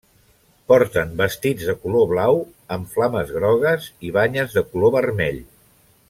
Porten vestits de color blau amb flames grogues, i banyes de color vermell.